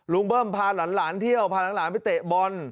เบิ้มพาหลานเที่ยวพาหลานไปเตะบอล